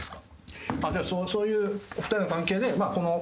そういうお二人の関係で。